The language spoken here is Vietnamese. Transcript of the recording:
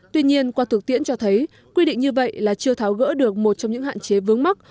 tuy nhiên qua thực tiễn cho thấy quy định như vậy là chưa tháo gỡ được một trong những hạn chế vướng mắc